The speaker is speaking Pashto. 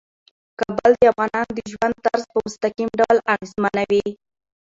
کابل د افغانانو د ژوند طرز په مستقیم ډول اغېزمنوي.